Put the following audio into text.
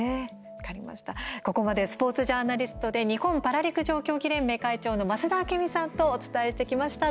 ここまでスポーツジャーナリストで日本パラ陸上競技連盟会長の増田明美さんとお伝えしてきました。